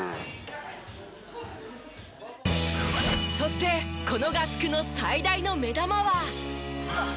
そしてこの合宿の最大の目玉は。